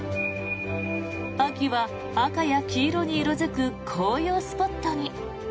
秋は赤や黄色に色付く紅葉スポットに。